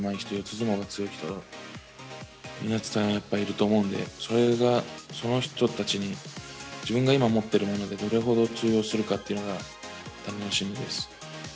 相撲が強い人、いっぱいいると思うんで、それが、その人たちに、自分が今持っているものでどれほど通用するかっていうのは、楽しみです。